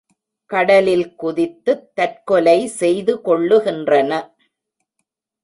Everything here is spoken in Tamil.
கடலில் குதித்துத் தற்கொலை செய்து கொள்ளுகின்றன!